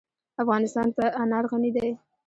افغانستان په انار غني دی.